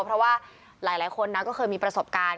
เพราะว่าหลายคนนะก็เคยมีประสบการณ์